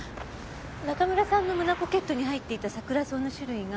中村さんの胸ポケットに入っていたサクラソウの種類が。